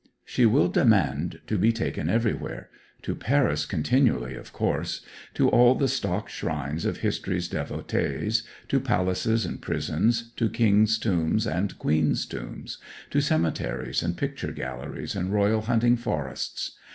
She will demand to be taken everywhere to Paris continually, of course; to all the stock shrines of history's devotees; to palaces and prisons; to kings' tombs and queens' tombs; to cemeteries and picture galleries, and royal hunting forests.